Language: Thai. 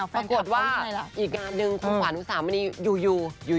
ปรากฏว่าอีกงานหนึ่งคุณขวานอุสามณีอยู่อยู่